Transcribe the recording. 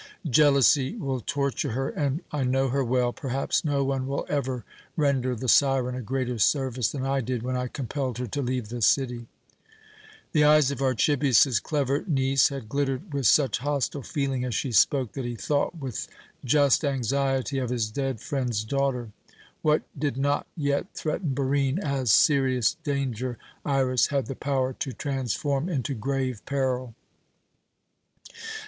Jealousy will torture her, and I know her well perhaps no one will ever render the siren a greater service than I did when I compelled her to leave the city." The eyes of Archibius's clever niece had glittered with such hostile feeling as she spoke that he thought with just anxiety of his dead friend's daughter. What did not yet threaten Barine as serious danger Iras had the power to transform into grave peril.